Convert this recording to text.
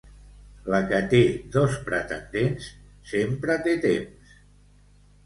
La que té dos pretendents sempre té temps.